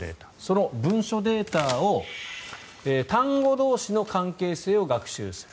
その文書データを単語同士の関係性を学習する。